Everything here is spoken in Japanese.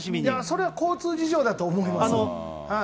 それは交通事情だと思います。